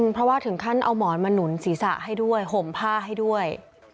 เพราะว่าถึงขั้นเอาหมอนมาหนุนศีรษะให้ด้วยห่มผ้าให้ด้วย